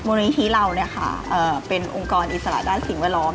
มูลนิธิเราเป็นองค์กรอิสระด้านสิ่งแวดล้อม